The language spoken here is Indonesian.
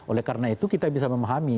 oleh karena itu kita bisa memahami